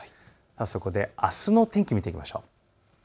そこであすの天気を見てみましょう。